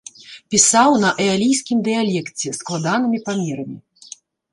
Пісаў на эалійскім дыялекце, складанымі памерамі.